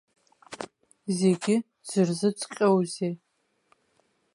Зегьы дзырзыҵҟьозеи?